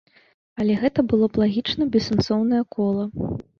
Але гэта было б лагічна бессэнсоўнае кола.